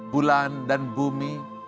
bulan dan bumi